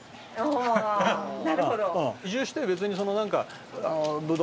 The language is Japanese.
おなるほど。